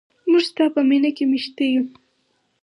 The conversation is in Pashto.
موږ په ستا مینه کې میشته یو.